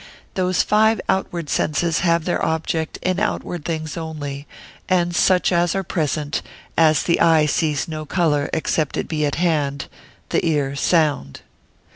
Those five outward senses have their object in outward things only, and such as are present, as the eye sees no colour except it be at hand, the ear sound.